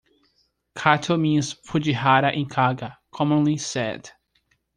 "Kato" means "Fujiwara in Kaga", commonly said.